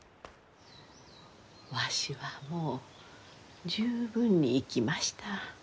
わしはもう十分に生きました。